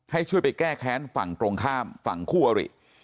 ให้ช่วยไปแก้แค้นฝั่งตรงข้ามฝั่งคู่อริ